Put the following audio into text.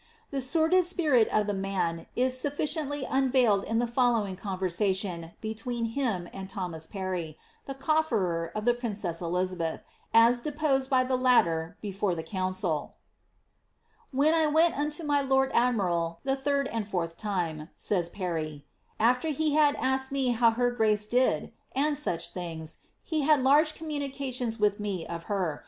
The sordid spirit of the man is sufiicifnily unveiled in the following conversation between him iiul Thomas Parry, the cofierer of the princess Elizabeth, as deposed by the latter before the council :'—^ When I went unto my lord admiral the third and fourth time,'^ says Parry, ^* after he had asked me how her grace did ? and such things, he bad large communications with me of her.